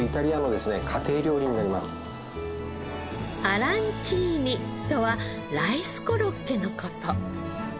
アランチーニとはライスコロッケの事。